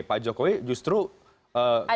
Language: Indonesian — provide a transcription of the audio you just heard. pak jokowi justru secara